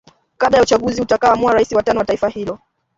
kabla ya uchaguzi utakao amua rais wa tano wa taifa hilo